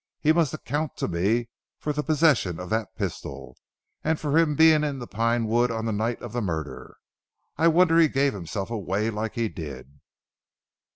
He must account to me for the possession of that pistol, and for his being in the Pine wood on the night of the murder. I wonder he gave himself away like he did."